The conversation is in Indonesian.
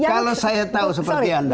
kalau saya tahu seperti anda